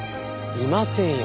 いませんよ